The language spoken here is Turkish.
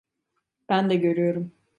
Ben de görüyorum.